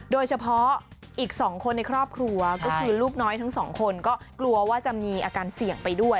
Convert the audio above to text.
โดยเฉพาะอีก๒คนในครอบครัวก็คือลูกน้อยทั้งสองคนก็กลัวว่าจะมีอาการเสี่ยงไปด้วย